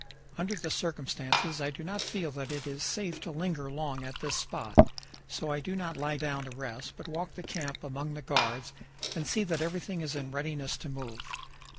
Under the circumstances I do not feel that it is safe to linger long at this spot; so I do not lie down to rest, but walk the camp among the guards and see that everything is in readiness to move.